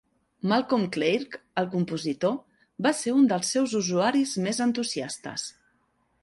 Malcolm Clarke, el compositor, va ser un dels seus usuaris més entusiastes.